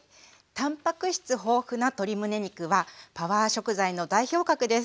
たんぱく質豊富な鶏むね肉はパワー食材の代表格です。